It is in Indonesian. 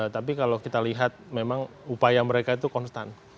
tapi kalau kita lihat memang upaya mereka itu konstan